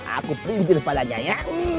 aku primpil palanya ya